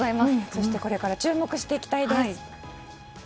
そしてこれから注目していきたいです。